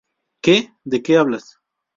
¿ Qué? ¿ de qué hablas?